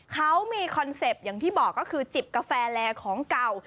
เขามีคอนเซ็ปต์อย่างที่บอกก็คือจิบกาแฟแลของเก่า